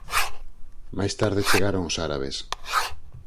Máis tarde chegaron os árabes.